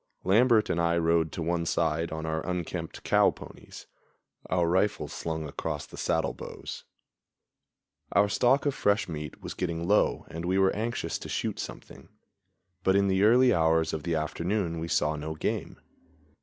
Lambert and I rode to one side on our unkempt cow ponies, our rifles slung across the saddle bows. Our stock of fresh meat was getting low and we were anxious to shoot something; but in the early hours of the afternoon we saw no game.